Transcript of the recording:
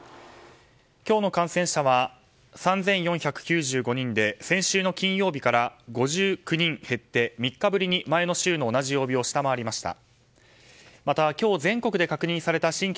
今日の感染者は３４９５人で先週の金曜日から５９人減って３日ぶりに前の週の同じ曜日を下回りました。